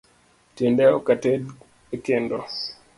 Tinde ok ated e kendo